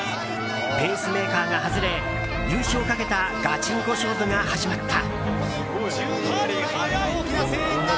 ペースメーカーが外れ優勝をかけたガチンコ勝負が始まった。